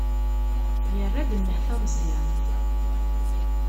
Yerra-d nnehta Meẓyan.